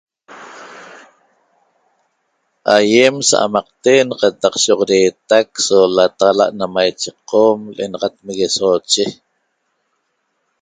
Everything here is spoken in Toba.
Aýem sa'amaqten qataq sho'oxodeetac so lataxala' na maiche Qom l'enaxat Meguesoxoche